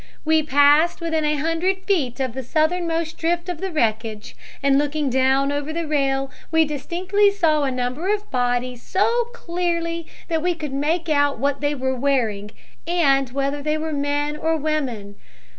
"We passed within a hundred feet of the southernmost drift of the wreckage, and looking down over the rail we distinctly saw a number of bodies so clearly that we could make out what they were wearing and whether they were men or women.